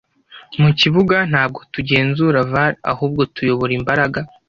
mu kibuga.ntabwo tugenzura var ahubwo tuyobora imbaraga